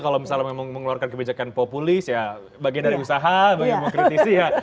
kalau misalnya mengeluarkan kebijakan populis ya bagian dari usaha bagian dari kritisi ya